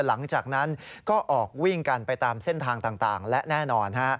หลังจากนั้นก็ออกวิ่งกันไปตามเส้นทางต่างและแน่นอน